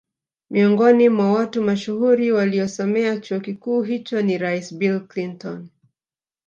Miongoni mwa watu mashuhuri waliosomea chuo kikuu hicho ni rais Bill Clinton